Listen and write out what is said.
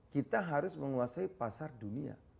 kita harus menguasai pasar dunia